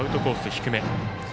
低め。